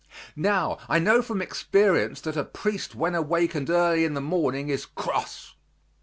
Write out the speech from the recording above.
Now I know from experience that a priest when awakened early in the morning is cross.